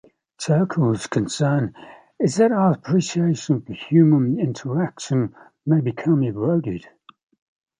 Turkle's concern is that our appreciation for human interaction may become eroded.